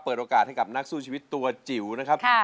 เปิดโอกาสไฮล้านลูกทุ่งซู่ชีวิตตั๋วจิ๋วนะครับ